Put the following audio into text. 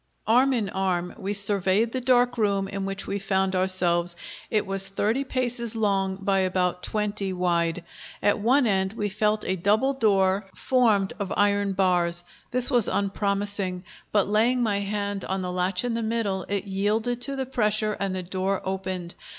Arm in arm, we surveyed the dark room in which we found ourselves; it was thirty paces long by about twenty wide. At one end we felt a double door formed of iron bars. This was unpromising, but laying my hand on the latch in the middle it yielded to the pressure, and the door opened.